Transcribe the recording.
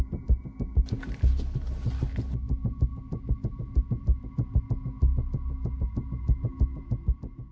satu dua tiga lapan